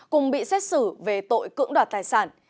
cùng bị xét xử về tội cưỡng đoạt tài sản